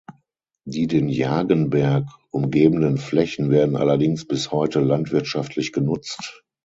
Die den Jagenberg umgebenden Flächen werden allerdings bis heute landwirtschaftlich genutzt.